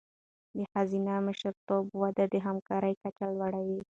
د ښځینه مشرتابه وده د همکارۍ کچه لوړوي.